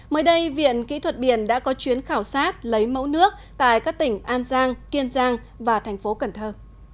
mới đây viện kỹ thuật biển đã có chuyến khảo sát lấy mẫu nước tại các tỉnh an giang kiên giang và thành phố cần thơ